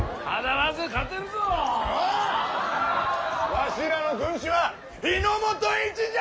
わしらの軍師は日の本一じゃ！